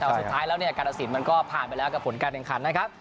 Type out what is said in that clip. แต่สุดท้ายแล้วเนี่ยการตัดสินมันก็ผ่านไปแล้วกับผลการแข่งขันนะครับ